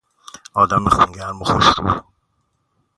آدم خونگرم و خوشرو